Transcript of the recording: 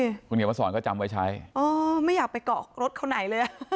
คุณเขียนมาสอนก็จำไว้ใช้อ๋อไม่อยากไปเกาะรถเขาไหนเลย